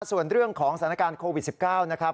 ส่วนเรื่องของสถานการณ์โควิด๑๙นะครับ